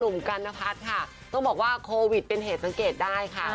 กันนพัฒน์ค่ะต้องบอกว่าโควิดเป็นเหตุสังเกตได้ค่ะ